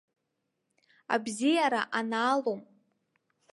Абзиара анаалом.